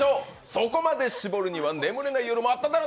「そこまで絞るには眠れない夜もあっただろ」